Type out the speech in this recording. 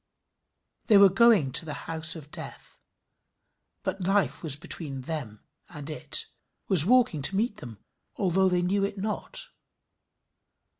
They were going to the house of death, but Life was between them and it was walking to meet them, although they knew it not.